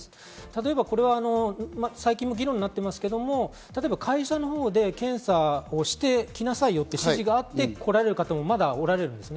例えばこれは最近も議論になってますけど、例えば会社のほうで検査をしてきなさいよと指示があってこられる方もまだおられるわけです。